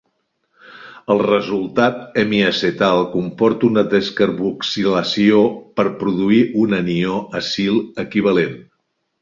El resultat hemiacetal comporta una descarboxilació per produir un anió acil equivalent.